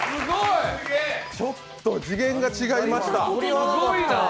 ちょっと次元が違いました。